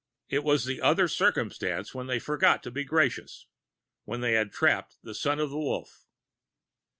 It was the other circumstance when they forgot to be gracious: when they had trapped a Son of the Wolf.